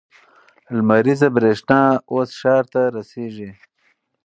لمریزه برېښنا اوس ښار ته رسیږي.